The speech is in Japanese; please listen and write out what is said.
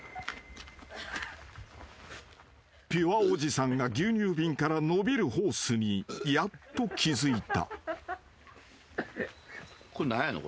［ピュアおじさんが牛乳瓶から延びるホースにやっと気付いた］